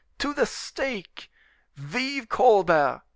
"To the stake!" "Vive Colbert!"